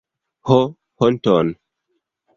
Ho honton!